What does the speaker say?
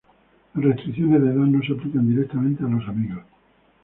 Las restricciones de edad no se aplican directamente a los amigos.